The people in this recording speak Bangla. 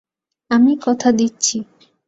আমি কথা দিচ্ছি।